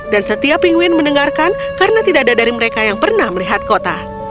dan setiap pinguin mendengarkan karena tidak ada dari mereka yang pernah melihat kota